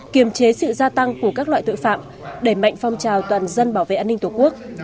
kiềm chế sự gia tăng của các loại tội phạm đẩy mạnh phong trào toàn dân bảo vệ an ninh tổ quốc